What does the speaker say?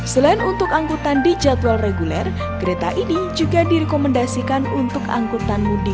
selain untuk angkutan di jadwal reguler kereta ini juga direkomendasikan untuk angkutan mundi dua ribu delapan belas